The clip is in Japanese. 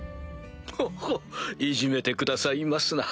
ほっほいじめてくださいますな。